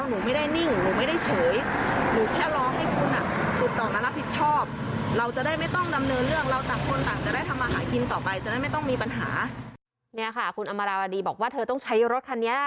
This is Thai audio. นี่ค่ะคุณอำมาราวดีบอกว่าเธอต้องใช้รถคันนี้